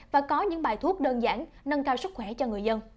và có những bài thuốc đơn giản nâng cao sức khỏe cho người dân